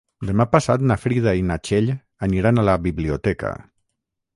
Demà passat na Frida i na Txell aniran a la biblioteca.